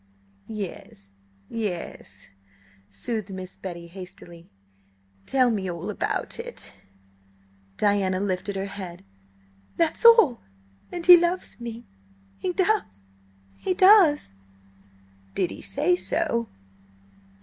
"Yes, yes," soothed Miss Betty hastily. "Tell me all about it." Diana lifted her head. "That's all. And he loves me–he does–he does!" "Did he say so?"